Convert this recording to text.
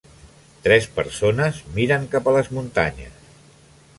Tres persones miren cap a les muntanyes.